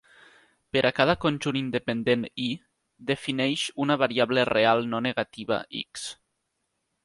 Per a cada conjunt independent "I", defineix una variable real no negativa "x".